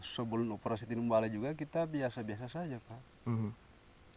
sebelum operasi tinombala juga kita biasa biasa saja pak